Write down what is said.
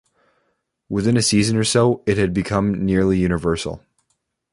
Within a season or so, it had become nearly universal.